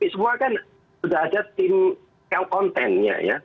semua kan sudah ada tim content nya ya